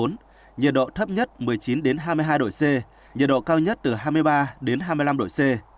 nhiệt độ thấp nhất một mươi chín hai mươi hai độ c nhiệt độ cao nhất từ hai mươi ba đến hai mươi năm độ c